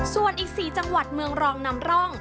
ส่วนอีก๔จังหวัดเมืองรองนำร่อง